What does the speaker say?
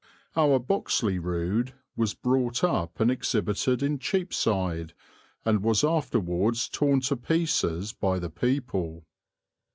Our Boxley Rood was brought up and exhibited in Cheapside, and was afterwards torn to pieces by the people."